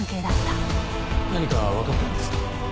何かわかったんですか？